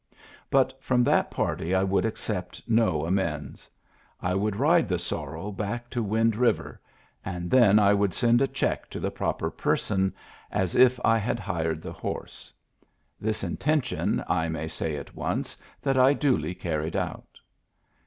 But from that party I would accept no amends ; I would ride the sorrel back to Wind River, and then I would send a check to the proper person, as if I had hired the horse. This intention I may say at once that I duly carried out.